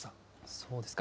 そうですか。